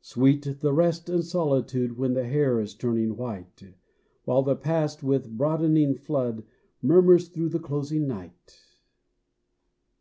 Sweet the rest and solitude When the hair is turning white, While the past, with broadening flood, Murmurs through the closing night.